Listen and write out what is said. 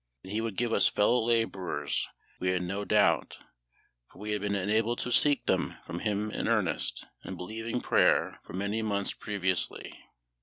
That He would give us fellow labourers we had no doubt; for we had been enabled to seek them from Him in earnest and believing prayer for many months previously.